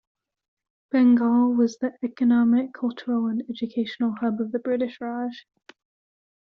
Bengal was the economic, cultural and educational hub of the British Raj.